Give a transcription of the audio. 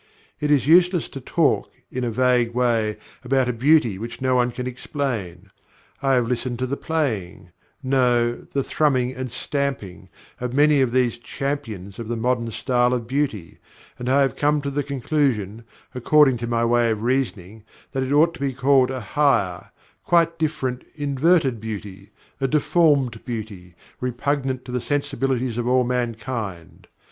It is useless to talk, in a vague way, about a beauty which no one can explain. I have listened to the playing no, the thrumming and stamping of many of these champions of the modern style of beauty; and I have come to the conclusion, according to my way of reasoning, that it ought to be called a higher, quite different, inverted beauty, a deformed beauty, repugnant to the sensibilities of all mankind.